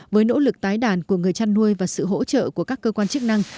với nỗ lực tái đàn của người chăn nuôi và sự hỗ trợ của các cơ quan chức năng